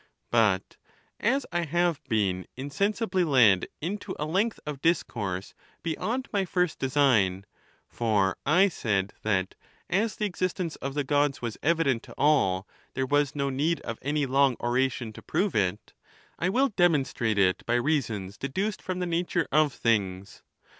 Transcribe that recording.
But as I have been insensibly led into a length of discourse beyond my first design (for I said that, as the existence of the Gods was evident to all, there was no need of any long oration to prove it), I will demonstrate it by reasons deduced from the nature of things.